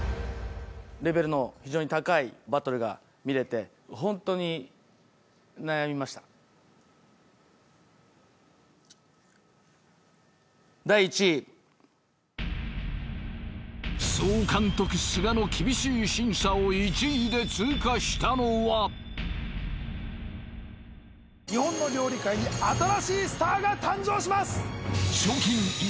レベルの非常に高いバトルが見れて本当に悩みました第１位総監督須賀の厳しい審査を１位で通過したのは日本の料理界に新しいスターが誕生します！